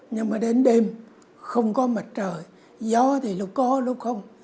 nhưng mà đến đêm không có mặt trời gió thì nó có lúc không